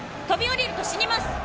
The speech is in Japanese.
飛び降りると死にます。